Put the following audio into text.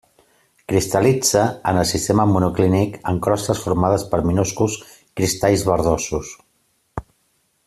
Cristal·litza en el sistema monoclínic en crostes formades per minúsculs cristalls verdosos.